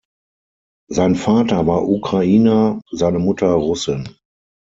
Sein Vater war Ukrainer, seine Mutter Russin.